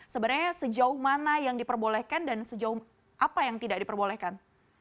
sebenarnya sejauh mana yang diperbolehkan dan sejauh apa yang tidak diperbolehkan